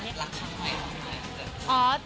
รักครั้งนี้คืออะไร